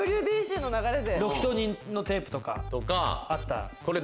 ロキソニンのテープとかあった。